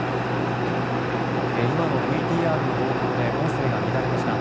今のＶＴＲの冒頭で音声が乱れました。